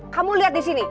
kamu lihat disini